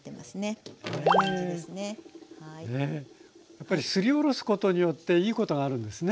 やっぱりすりおろすことによっていいことがあるんですね。